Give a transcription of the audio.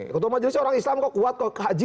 ketua majelis orang islam kok kuat kok kaji